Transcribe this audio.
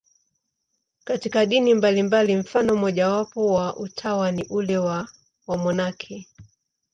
Katika dini mbalimbali, mfano mmojawapo wa utawa ni ule wa wamonaki.